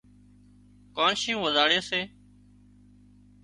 ڪانشيئون وزاڙي سي